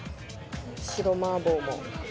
白麻婆も。